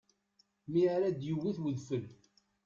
Mi ara d-iwwet udfel.